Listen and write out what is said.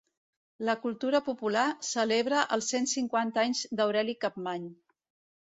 La cultura popular celebra els cent cinquanta anys d'Aureli Campmany.